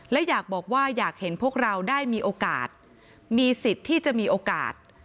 และอยากบอกว่าอยากเห็นพวกเราได้มีโอกาสมีสิทธิ์ที่จะมีโอกาส